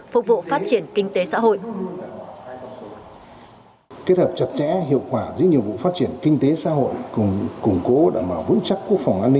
phục vụ phát triển kinh tế xã hội